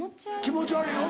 気持ち悪いよ。